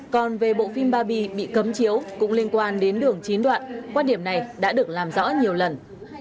còn về bộ phim baby bị cấm chiếu cũng liên quan đến đường chín đoạn quan điểm này đã được làm rõ nhiều lần